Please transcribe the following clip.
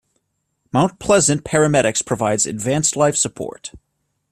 Mount Pleasant Paramedics provides advanced life support.